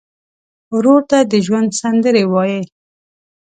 ورور ته د ژوند سندرې وایې.